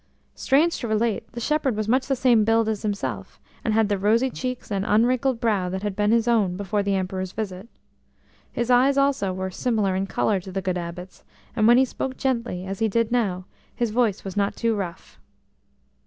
Strange to relate, the shepherd was much the same build as himself, and had the rosy cheeks and unwrinkled brow that had been his own before the Emperor's visit. His eyes also were similar in colour to the good Abbot's, and when he spoke gently, as he did now, his voice was not too rough.